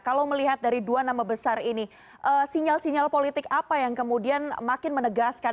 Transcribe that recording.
kalau melihat dari dua nama besar ini sinyal sinyal politik apa yang kemudian makin menegaskan